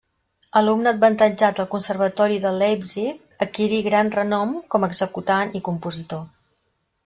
Alumne avantatjat del Conservatori de Leipzig, adquirí gran renom com a executant i compositor.